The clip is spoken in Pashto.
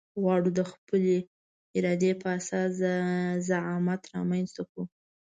غواړو د خپلې ارادې په اساس زعامت رامنځته کړو.